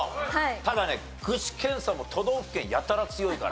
ただね具志堅さんも都道府県やたら強いから。